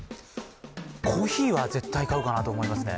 コーヒーは絶対買うかなと思いますね。